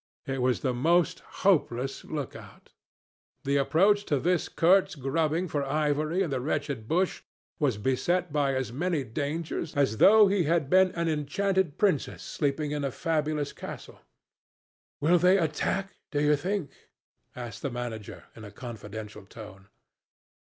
It was the most hopeless look out. The approach to this Kurtz grubbing for ivory in the wretched bush was beset by as many dangers as though he had been an enchanted princess sleeping in a fabulous castle. 'Will they attack, do you think?' asked the manager, in a confidential tone.